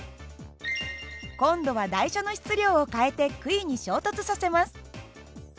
今度は台車の質量を変えて杭に衝突させます。